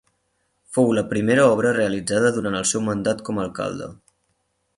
Fou la primera obra realitzada durant el seu mandat com alcalde.